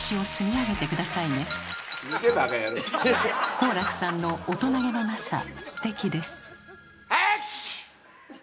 好楽さんの大人げのなさステキです。